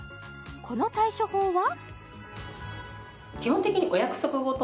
この対処法は？